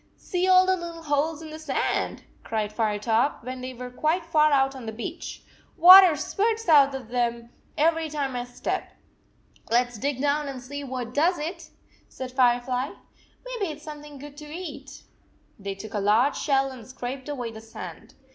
"See all the little holes in the sand," cried Firetop, when they were quite far out on the beach. " Water spurts out of them every time I step." 41 Let f s dig down and see what does it," said Firefly. " Maybe it s something good to eat. 112 They took a large shell and scraped away the sand.